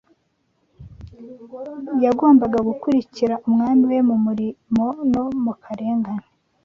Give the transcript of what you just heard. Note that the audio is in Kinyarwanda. yagombaga gukurikira Umwami we mu murimo no mu karengane